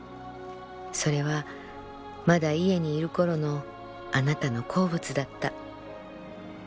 それはまだ家にいる頃のあなたの好物だった」。